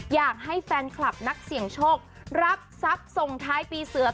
อยากให้แฟนคลับนักเสี่ยงโชครับทรัพย์ส่งท้ายปีเสือ